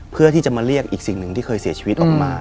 เพื่อที่จะมาเรียกอีกสิ่งหนึ่งที่เคยเสียชีวิตออกมา